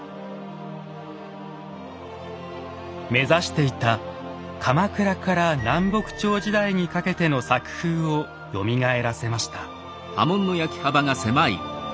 目指していた鎌倉から南北朝時代にかけての作風をよみがえらせました。